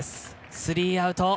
スリーアウト。